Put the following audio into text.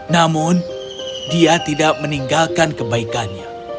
namun dia tidak meninggalkan kebaikannya